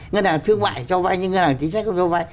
ngân hàng thương mại cho vay những ngân hàng chính sách không cho vay